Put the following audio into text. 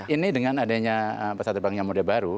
ini dengan adanya pesawat terbang yang muda baru